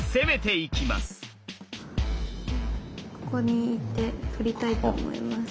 ここに行って取りたいと思います。